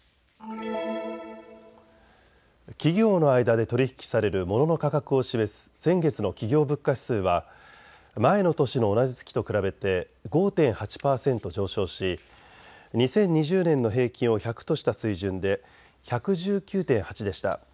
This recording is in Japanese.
企業の間で取り引きされるモノの価格を示す先月の企業物価指数は前の年の同じ月と比べて５．８％上昇し、２０２０年の平均を１００とした水準で１１９．８でした。